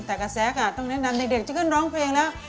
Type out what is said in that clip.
แต่กับแซคต้องแนะนำเด็กจะเริ่มร้องเพลงแล้ว